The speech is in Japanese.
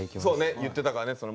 そうね言ってたからね